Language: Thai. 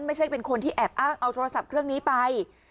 ไม่ใช่เป็นคนที่แอบอ้างเอาโทรศัพท์เครื่องนี้ไป